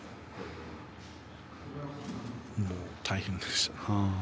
もう大変でした。